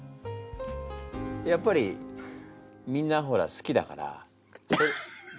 やっぱりみんなほら好きだから。